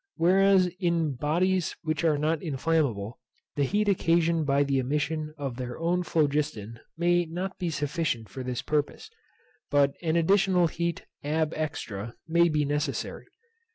Whereas in bodies which are not inflammable, the heat occasioned by the emission of their own phlogiston may not be sufficient for this purpose, but an additional heat ab extra may be necessary.